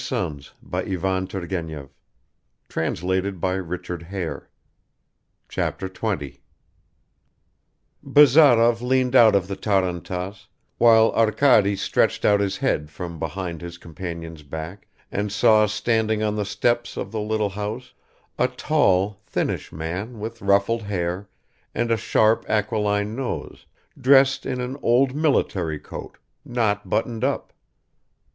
ay! only how grey he's grown, poor old chap!" Chapter 20 BAZAROV LEANED OUT OF THE TARANTASS, WHILE ARKADY stretched out his head from behind his companion's back and saw standing on the steps of the little house a tall thinnish man with ruffled hair and a sharp aquiline nose, dressed in an old military coat, not buttoned up.